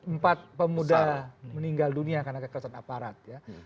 empat pemuda meninggal dunia karena kekerasan aparat ya